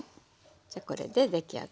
じゃこれで出来上がりです。